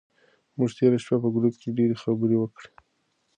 موږ تېره شپه په ګروپ کې ډېرې خبرې وکړې.